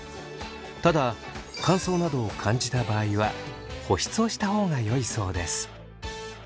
ただ乾燥などを感じた場合は保湿をした方がよいそうです。